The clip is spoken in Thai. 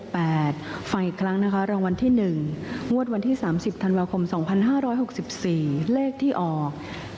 ๘๑๙๐๖๘๘๑๙๐๖๘ฟังอีกครั้งนะคะรางวัลที่๑งวดวันที่๓๐ธันเวียวคม๒๕๖๔เลขที่ออก๘๑๙๐๖๘